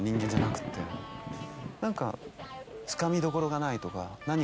何かつかみどころがないとか。